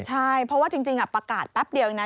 ใช่เพราะว่าจริงประกาศแป๊บเดียวนะ